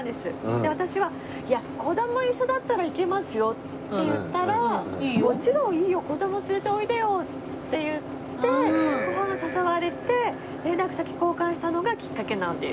で私は「いや子供一緒だったら行けますよ」って言ったら「もちろんいいよ子供連れておいでよ」って言ってご飯誘われて連絡先交換したのがきっかけなんです。